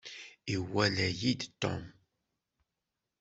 Iwala-yi-d Tom.